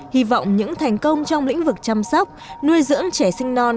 hy vọng những thành công trong lĩnh vực chăm sóc nuôi dưỡng trẻ sinh non